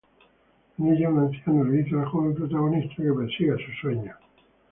En ella, un anciano le dice al joven protagonista que persiga sus sueños.